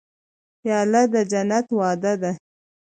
پیاله د جنت وعده ده.